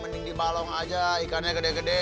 mending di balong aja ikannya gede gede